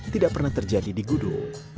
tidak pernah terjadi di gudul